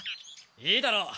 いいだろう。